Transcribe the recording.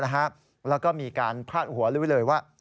แล้วก็มีการพลาดหัวเรื่อยว่า